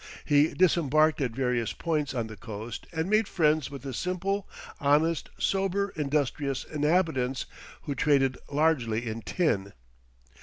He disembarked at various points on the coast and made friends with the simple, honest, sober, industrious inhabitants, who traded largely in tin.